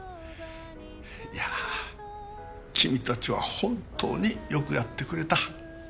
いやぁ君たちは本当によくやってくれた。